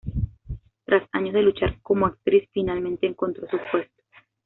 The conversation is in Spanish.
Tras años de luchar como actriz, finalmente encontró su puesto.